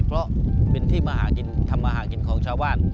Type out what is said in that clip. เพราะเป็นที่มาหากินทำมาหากินของชาวบ้าน